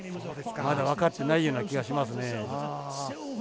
まだ分かってないような気がしますね。